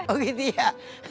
oh gitu ya